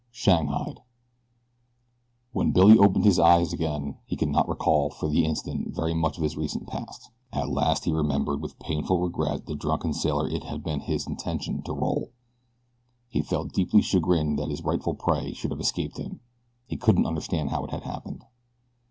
SHANGHAIED WHEN Billy opened his eyes again he could not recall, for the instant, very much of his recent past. At last he remembered with painful regret the drunken sailor it had been his intention to roll. He felt deeply chagrined that his rightful prey should have escaped him. He couldn't understand how it had happened.